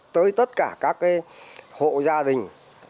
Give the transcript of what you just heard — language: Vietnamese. tới tất cả các hộ gia đình